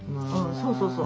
そうそうそう。